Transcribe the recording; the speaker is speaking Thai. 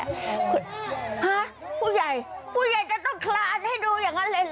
ฮะผู้ใหญ่ผู้ใหญ่ก็ต้องคลานให้ดูอย่างนั้นเลยเห